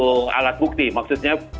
maksudnya maksud saya butuh keterangan saksa